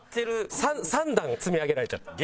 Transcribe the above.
３段積み上げられちゃった。